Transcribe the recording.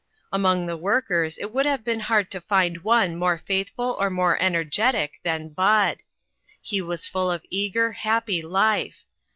Among the workers it would have beer, hard to find one more faithful or more en ergetic than Bud. He was full of eager, happy life.